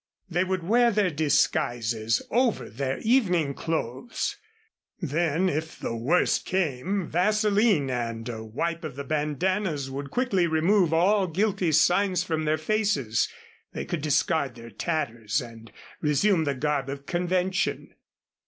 They would wear their disguises over their evening clothes. Then, if the worst came, vaseline and a wipe of the bandannas would quickly remove all guilty signs from their faces, they could discard their tatters, and resume the garb of convention.